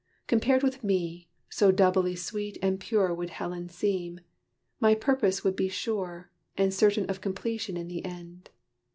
Compared with me, so doubly sweet and pure Would Helen seem, my purpose would be sure, And certain of completion in the end.